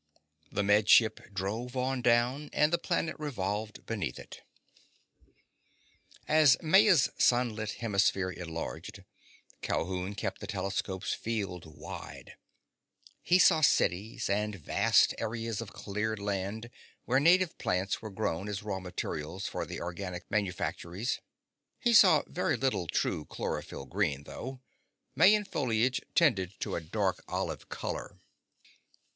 The Med Ship drove on down, and the planet revolved beneath it. As Maya's sunlit hemisphere enlarged, Calhoun kept the telescope's field wide. He saw cities, and vast areas of cleared land where native plants were grown as raw materials for the organics' manufacturies. He saw very little true chlorophyll green, though. Mayan foliage tended to a dark olive color.